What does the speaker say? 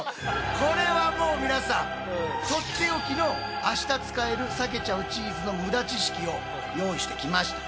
これはもう皆さんとっておきの明日使えるさけちゃうチーズのムダ知識を用意してきました。